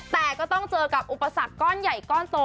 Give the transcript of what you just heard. แต่ก็ต้องเจอกับอุปสรรคก้อนใหญ่ก้อนโต